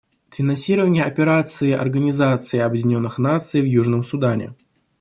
Финансирование Операции Организации Объединенных Наций в Южном Судане.